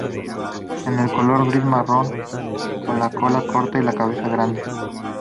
Es de color gris-marrón con la cola corta y la cabeza grande.